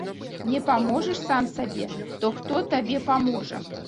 Не паможаш сам сабе, то хто табе паможа!